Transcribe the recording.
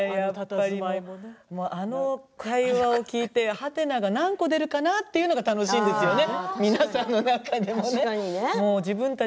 あの会話を聞いてハテナが何個出るかなというのが楽しいんですよね。